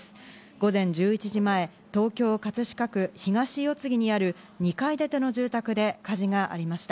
午前１１時前、東京・葛飾区東四つ木にある２階建ての住宅で火事がありました。